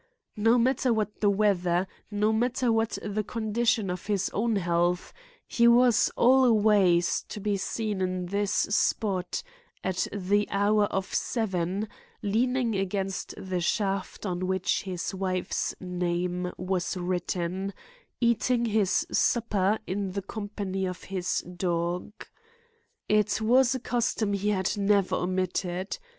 No matter what the weather, no matter what the condition of his own health, he was always to be seen in this spot, at the hour of seven, leaning against the shaft on which his wife's name was written, eating his supper in the company of his dog. It was a custom he had never omitted.